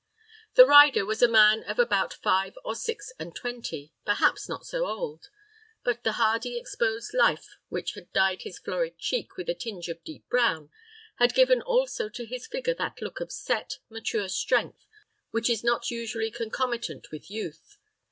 The rider was a man of about five or six and twenty, perhaps not so old; but the hardy exposed life which had dyed his florid cheek with a tinge of deep brown, had given also to his figure that look of set, mature strength which is not usually concomitant with youth.